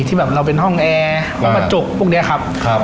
ที่แบบเราเป็นห้องแอร์ห้องกระจกพวกนี้ครับ